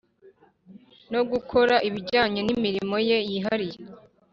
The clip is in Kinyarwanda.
no gukora ibijyanye n imirimo ye yihariye